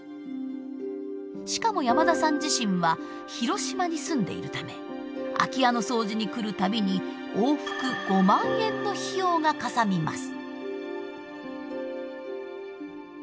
しかも山田さん自身は広島に住んでいるため空き家の掃除に来る度に往復５万円の費用がかさみます。